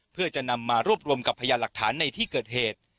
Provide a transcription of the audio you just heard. เพื่อจะนำมารวบรวมกับพยานหลักฐานในที่เกิดเหตุ